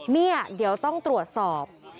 เนี่ยเดี๋ยวต้องตรวจสอบ